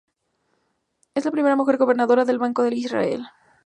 Es la primera mujer gobernadora del Banco de Israel.